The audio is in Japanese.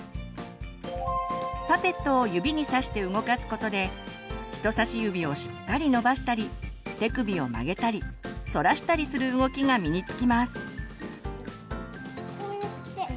パペットを指にさして動かすことで人さし指をしっかり伸ばしたり手首を曲げたりそらしたりする動きが身に付きます。